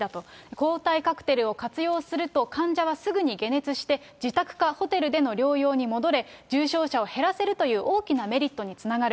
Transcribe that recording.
抗体カクテルを活用すると患者はすぐに解熱して、自宅かホテルでの療養に戻れ、重症者を減らせるという大きなメリットにつながる。